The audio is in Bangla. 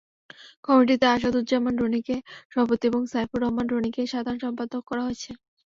কমিটিতে আসাদুজ্জামান রনিকে সভাপতি এবং সাইফুর রহমান রনিকে সাধারণ সম্পাদক করা হয়েছে।